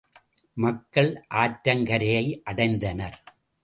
மக்கள் ஆற்றங்கரையை அடைந்தனர்.